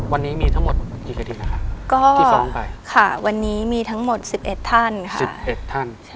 วันนี้มีทั้งหมดกี่คดีนะคะก็กี่ฟ้องไปค่ะวันนี้มีทั้งหมด๑๑ท่านค่ะ๑๑ท่าน